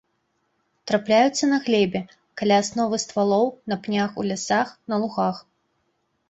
Трапляюцца на глебе, каля асновы ствалоў, на пнях у лясах, на лугах.